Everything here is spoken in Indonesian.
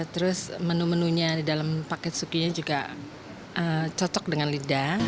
terus menu menunya di dalam paket sukinya juga cocok dengan lidah